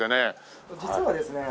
実はですね